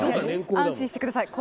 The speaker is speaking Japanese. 安心して下さい。